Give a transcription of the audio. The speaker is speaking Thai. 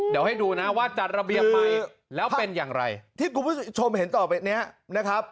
เดี๋ยวให้ดูนะว่าจัดระเบียบไหมแล้วเป็นอย่างไรที่คุณผู้ชมเห็นต่อไปเนี้ยนะครับ